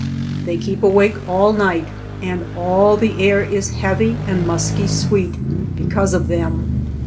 They keep awake all night, 146 THE MESA TRAIL and all the air is heavy and musky sweet because of them.